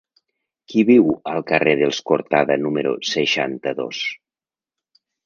Qui viu al carrer dels Cortada número seixanta-dos?